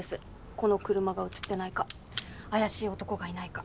この車が写ってないか怪しい男がいないか。